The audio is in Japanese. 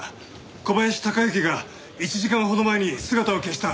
小林孝之が１時間ほど前に姿を消した。